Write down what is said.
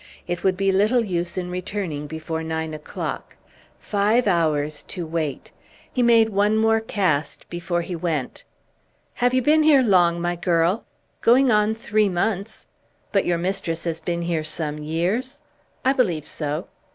It would be little use in returning before nine o'clock. Five hours to wait! He made one more cast before he went. "Have you been here long, my girl?" "Going on three months." "But your mistress has been here some years?" "I believe so."